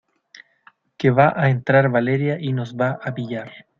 que va a entrar Valeria y nos va a pillar.